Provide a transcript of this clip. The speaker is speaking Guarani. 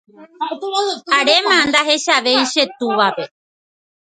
aréma ndahechavéi che túvape.